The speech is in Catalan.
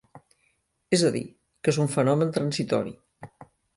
És a dir, que és un fenomen transitori.